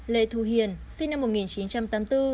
lê thu hiền sinh năm một nghìn chín trăm tám mươi bốn